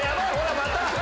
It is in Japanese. また。